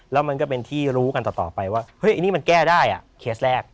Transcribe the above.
แล้วมันก็เป็นที่รู้กันต่อไปว่าเฮ้ยนี่มันแก้ได้เคสแรก